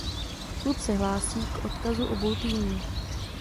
Klub se hlásí k odkazu obou týmů.